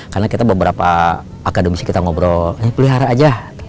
karena kita beberapa akademisi kita ngobrol pelihara aja